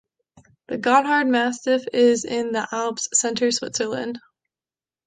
The Gotthard massif is in the Alps, Center Switzerland.